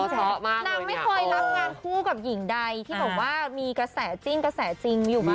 นางไม่เคยรับงานคู่กับหญิงใดที่แบบว่ามีกระแสจิ้นกระแสจริงอยู่มา